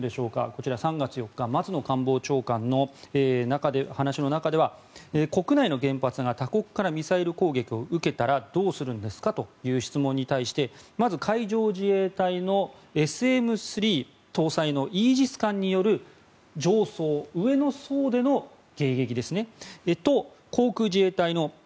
こちら３月４日松野官房長官の話の中では国内の原発が他国からミサイル攻撃を受けたらどうするんですかという質問に対してまず海上自衛隊のＳＭ３搭載のイージス艦による上層上の層での迎撃と航空自衛隊のＰＡＣ